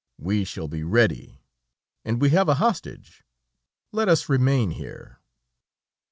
We shall be ready, and we have a hostage let us remain here."